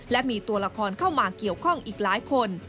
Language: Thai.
และมีตัวละครเข้ามาเกี่ยวข้องอีกหลายคน